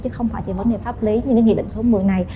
chứ không phải chỉ vấn đề pháp lý như cái nghị định số một mươi này